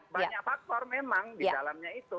banyak faktor memang di dalamnya itu